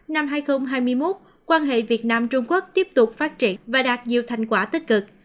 năm hai nghìn hai mươi một quan hệ việt nam trung quốc tiếp tục phát triển và đạt nhiều thành quả tích cực